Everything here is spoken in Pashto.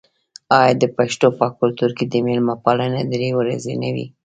آیا د پښتنو په کلتور کې د میلمه پالنه درې ورځې نه وي؟